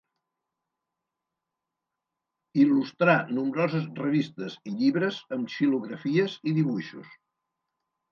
Il·lustrà nombroses revistes i llibres amb xilografies i dibuixos.